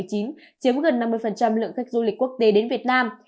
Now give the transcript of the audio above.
chiếm gần năm mươi lượng khách du lịch quốc tế đến việt nam